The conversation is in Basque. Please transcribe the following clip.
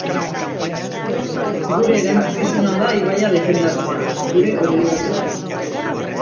Gure erantzunkizuna da ibaia defendatzea, gure obligazioa.